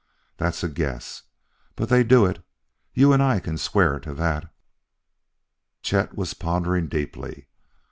That's a guess but they do it. You and I can swear to that." Chet was pondering deeply.